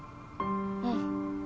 うん。